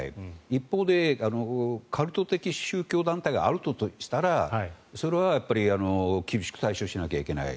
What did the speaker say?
一方でカルト的宗教団体があるとしたらそれは厳しく対処しなければいけない。